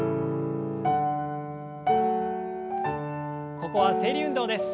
ここは整理運動です。